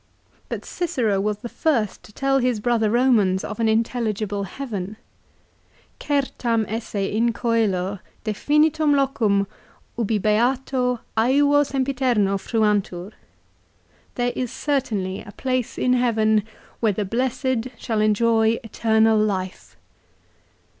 But Cicero was the first to tell his brother Eomans of an intelligible heaven. " Certum esse in ccelo definitum locum ubi beati asvo sempiterno fruantur." " There is certainly a place in heaven where the blessed shall enjoy eternal life."